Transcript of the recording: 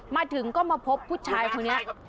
มาถึงก็มาพบผู้ชายคนนี้